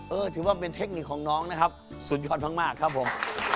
ถือว่าเป็นเทคนิคของน้องนะครับสุดยอดมากครับผม